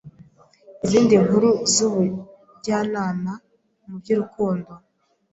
Izindi nkuru z'ubujyanama mu by'urukundo